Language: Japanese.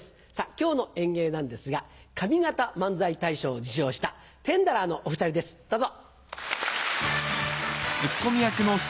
今日の演芸なんですが上方漫才大賞を受賞したテンダラーのお２人ですどうぞ。